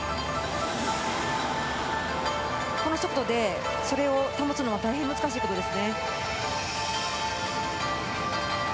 この速度でそれを保つのは大変難しいことです。